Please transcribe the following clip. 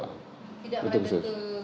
tidak mereka itu gudang